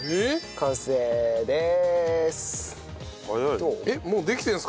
完成でーす。